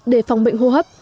để phòng bệnh hô hấp